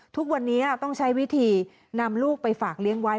ทุกวันนี้ต้องใช้วิธีนำลูกไปฝากเลี้ยงไว้